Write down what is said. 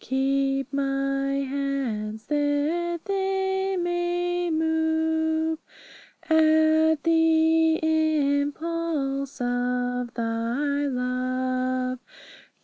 Keep my hands, that they may move At the impulse of Thy love.